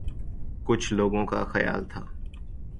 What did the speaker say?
کچھ لوگوں کا خیال تھا